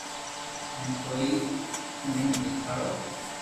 ھين ڪوئي ھئين ديکاڙو